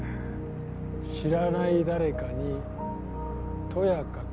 知らない誰かにとやかく。